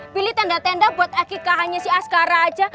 pilih tenda tenda buat akikahannya si askara aja